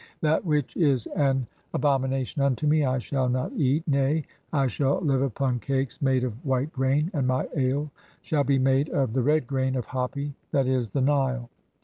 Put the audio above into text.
That which is an abo "mination unto me, I shall not eat, [nay] I shall live upon "cakes [made] of white grain, and my ale shall be [made] of "the red grain (10) of Hapi (1. e., the Nile).